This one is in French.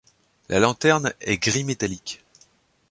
La lanterne est gris métallique.